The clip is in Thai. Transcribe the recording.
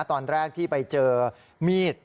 ตอนแรกที่ไปเจอมีด